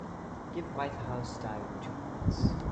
Give White House Diary two points